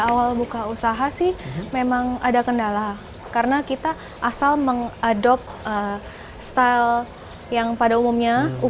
awal buka usaha sih memang ada kendala karena kita asal mengadopsi kelas yang tersebut memang ada